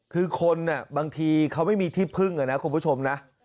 คือคนบางทีเขาไม่มีที่พึ่งนะคุณผู้ชมนะ